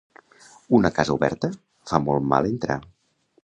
A una casa oberta, fa molt mal entrar.